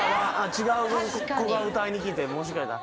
違う子が歌いに来てもしかしたら。